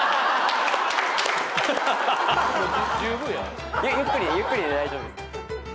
ゆっくりゆっくりで大丈夫です。